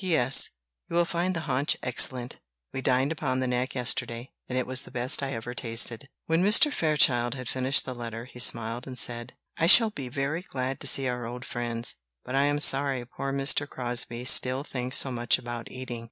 "P.S. You will find the haunch excellent; we dined upon the neck yesterday, and it was the best I ever tasted." When Mr. Fairchild had finished the letter, he smiled, and said: "I shall be very glad to see our old friends, but I am sorry poor Mr. Crosbie still thinks so much about eating.